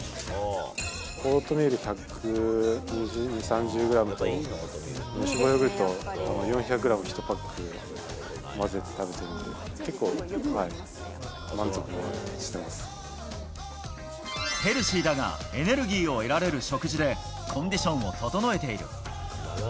オートミール１２０、１３０グラムと、無脂肪ヨーグルト４００グラム１パックを混ぜて食べてるんで、ヘルシーだがエネルギーを得られる食事で、コンディションを整えている。